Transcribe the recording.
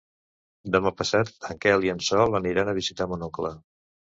Demà passat en Quel i en Sol aniran a visitar mon oncle.